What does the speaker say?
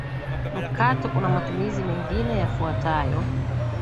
Mkato una matumizi mengine yafuatayo